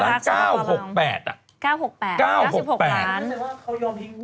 ๙๖ล้าน